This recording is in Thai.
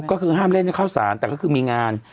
ก็คือห้ามเล่นข้าวสารแต่ก็คือมีงาน